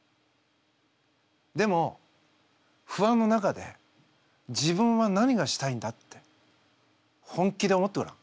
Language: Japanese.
でも不安の中で自分は何がしたいんだって本気で思ってごらん。